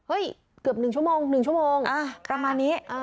เฮ้ยเกือบหนึ่งชั่วโมงหนึ่งชั่วโมงอ่าประมาณนี้อ่า